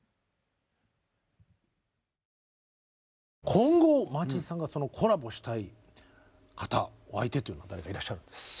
今後マーチンさんがコラボしたい方お相手というのは誰かいらっしゃるんですか？